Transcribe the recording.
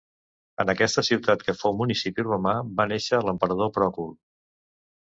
En aquesta ciutat, que fou municipi romà, va néixer l'emperador Pròcul.